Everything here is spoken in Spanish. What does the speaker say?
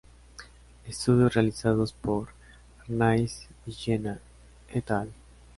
Estudios realizados por Arnaiz Villena et al.